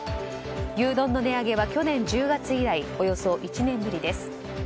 牛丼の値上げは去年１０月以来およそ１年ぶりです。